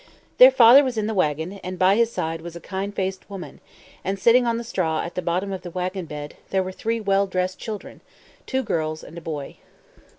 Their father was in the wagon; and by his side was a kind faced woman; and, sitting on the straw at the bottom of the wagon bed, there were three well dressed children two girls and a boy.